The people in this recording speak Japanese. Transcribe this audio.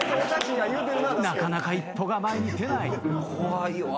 なかなか一歩が前に出ない。